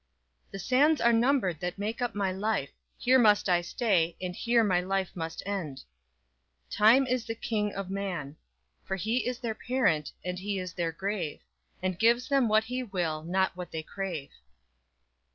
"The sands are numbered that make up my life; Here must I stay, and here my life must end." _"Time is the King of man, For he is their parent, and he is their grave, And gives them what he will, not what they crave."